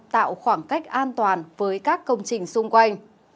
tạo khoảng cách an toàn với các công trình xung quanh